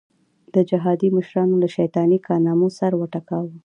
د جهادي مشرانو له شیطاني کارنامو سر وټکاوه.